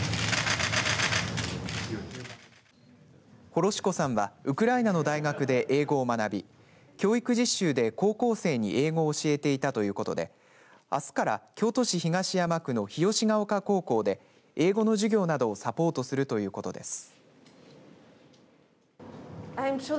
ホロシコさんはウクライナの大学で英語を学び教育実習で高校生に英語を教えていたということで、あすから京都市東山区の日吉ヶ丘高校で英語の授業などをサポートするということです。